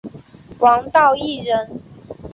王道义人。